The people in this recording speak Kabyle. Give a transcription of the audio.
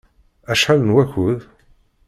Acḥal n wakud?